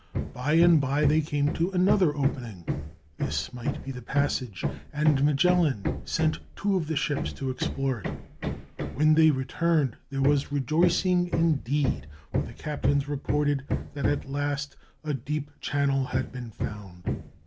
By and by they came to another opening; this might be the passage, and Magellan sent two of the ships to explore it. When they returned, there was rejoicing, indeed, for the captains reported that at last a deep channel had been found.